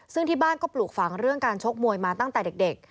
ซึ่งที่บ้านก็ปลูกฝังเรื่องการชกมวยมาตั้งแต่เด็ก